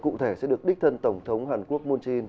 cụ thể sẽ được đích thân tổng thống hàn quốc moon jae in